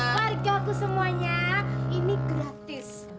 harga aku semuanya ini gratis